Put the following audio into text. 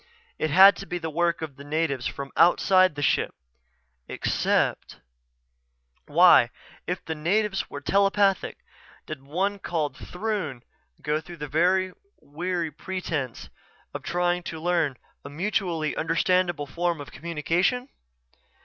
It had to be the work of the natives from outside the ship. Except.... Why, if the natives were telepathic, did the one called Throon go through the weary pretense of trying to learn a mutually understandable form of communication?